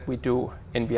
và tôi nghĩ